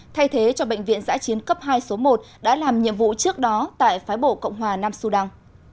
thay thế cho bệnh viện giã chiến cấp hai số một đã làm nhiệm vụ trước đó tại phái bộ cộng hòa nam sudan